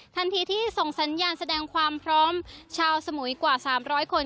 ทันทีที่ส่งสัญญาณแสดงความพร้อมชาวสมุยกว่า๓๐๐คน